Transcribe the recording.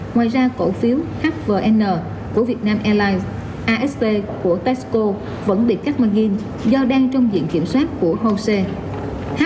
ngoài ra cổ phiếu hvn của vietnam airlines asp của tesco vẫn bị cắt màn ghiên do đang trong diện kiểm soát của hosea